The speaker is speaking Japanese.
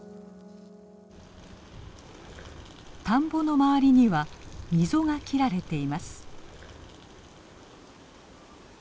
田んぼの周りには溝が切られています。